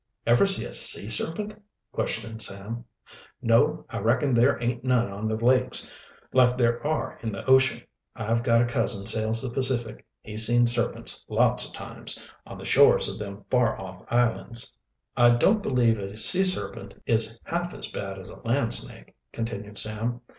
"Ever see a sea serpent?" questioned Sam. "No. I reckon there aint none on the lakes, like there are in the ocean. I've got a cousin sails the Pacific. He's seen serpents lots o' times on the shores of them far off islands." "I don't believe a sea serpent is half as bad as a land snake," continued Sam.